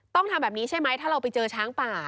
ต้องทำแบบนี้ใช่ไหมถ้าเราไปเจอช้างป่า